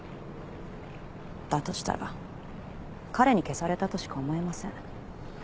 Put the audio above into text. だとしたら彼に消されたとしか思えません。